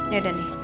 ya udah nih